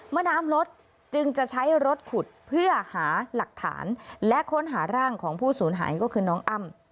น้ำลดจึงจะใช้รถขุดเพื่อหาหลักฐานและค้นหาร่างของผู้สูญหายก็คือน้องอ้ำ